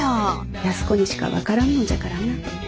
安子にしか分からんのじゃからな。